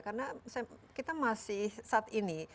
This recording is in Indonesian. karena kita masih saat ini